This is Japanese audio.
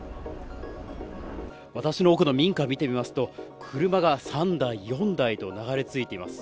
私の奥の民家を見てみますと、車が３台、４台と流れ着いています。